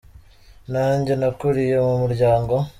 Nanjye nakuriye mumuryango.